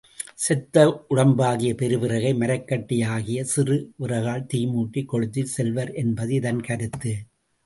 செத்த உடம்பாகிய பெருவிறகை, மரக்கட்டையாகிய சிறு விறகால் தீமூட்டிக் கொளுத்திச் செல்வர் என்பது இதன் கருத்து.